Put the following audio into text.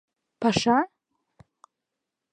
— Паша?